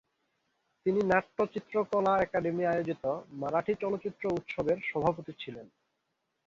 তিনি নাট্য চিত্র কলা একাডেমি আয়োজিত মারাঠি চলচ্চিত্র উৎসবের সভাপতি ছিলেন।